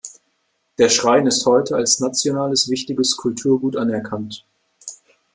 Der Schrein ist heute als Nationales Wichtiges Kulturgut anerkannt.